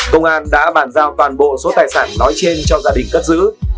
công an đã bàn giao toàn bộ số tài sản nói trên cho gia đình cất giữ